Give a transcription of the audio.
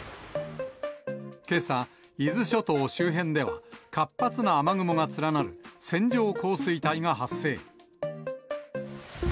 けさ、伊豆諸島周辺では活発な雨雲が連なる線状降水帯が発生。